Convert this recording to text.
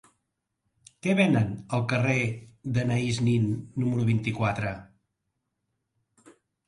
Què venen al carrer d'Anaïs Nin número vint-i-quatre?